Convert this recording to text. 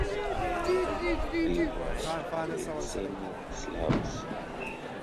They were Milceni slavs.